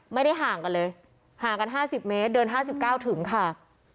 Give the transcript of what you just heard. ไม่ได้ห่างกันเลยห่างกันห้าสิบเมตรเดินห้าสิบเก้าถึงค่ะ